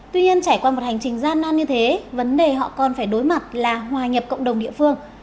tuy nhiên trải qua một hành trình gian nan như thế vấn đề họ còn phải đối mặt là hòa nhập cộng đồng địa phương